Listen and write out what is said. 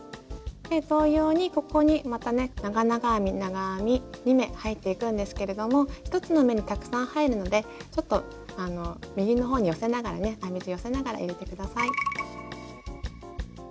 同様にここにまたね長々編み長編み２目入っていくんですけれども１つの目にたくさん入るのでちょっと右のほうに寄せながらね編み地寄せながら入れて下さい。